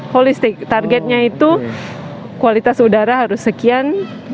holistik targetnya itu kualitas udara harus sekian